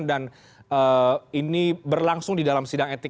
dan ini berlangsung di dalam sidang etik